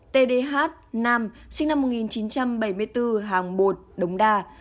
một t d h nam sinh năm một nghìn chín trăm bảy mươi bốn hàng một đống đa